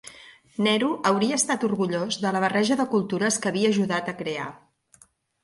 Nehru hauria estat orgullós de la barreja de cultures que havia ajudat a crear.